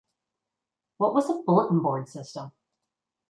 What was a "Bulletin Board System"?